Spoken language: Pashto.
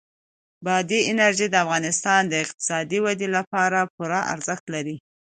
بادي انرژي د افغانستان د اقتصادي ودې لپاره پوره ارزښت لري.